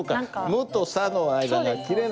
「む」と「さ」の間が切れないんだ。